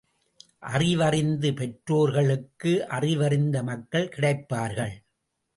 அறிவறிந்த பெற்றோர்களுக்கு அறிவறிந்த மக்கள் கிடைப்பார்கள்.